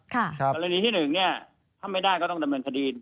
กรณีที่๑เนี่ยถ้าไม่ได้ก็ต้องดำเนินคดี